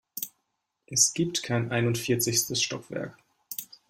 Es gibt kein einundvierzigstes Stockwerk.